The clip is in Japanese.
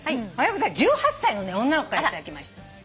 １８歳の女の子から頂きました。